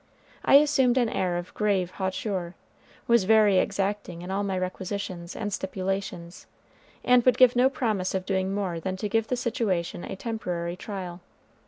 I assumed an air of grave hauteur, was very exacting in all my requisitions and stipulations, and would give no promise of doing more than to give the situation a temporary trial.